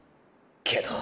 けど！！